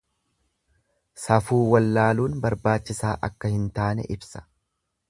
Safuu wallaaluun barbaachisaa akka hin taane ibsa.